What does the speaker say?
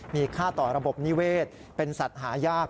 มีค่าต่อระบบนิเวศเป็นสัตว์หายาก